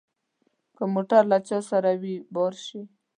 که موټر له چا سره وي بار شي.